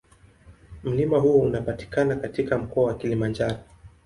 Mlima huo unapatikana katika Mkoa wa Kilimanjaro.